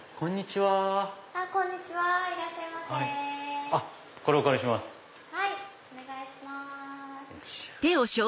はいお願いします。